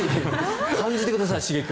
感じてください刺激を。